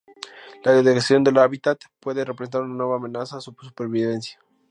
La degradación del hábitat puede representar una nueva amenaza a su supervivencia.